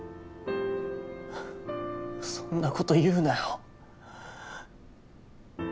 そんなこと言うなよ。